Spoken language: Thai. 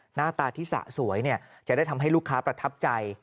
หน้าตาที่สะสวยจะได้ทำให้ลูกค้าประทับใจ